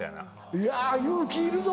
いや勇気いるぞ。